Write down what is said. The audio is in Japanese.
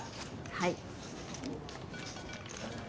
はい。